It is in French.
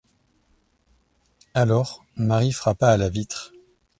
Alors Marie frappa à la vitre.